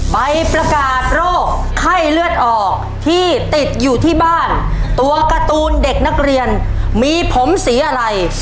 ใบประกาศโรคไข้เลือดออกที่ติดอยู่ที่บ้านตัวการ์ตูนเด็กนักเรียนมีผมสีอะไร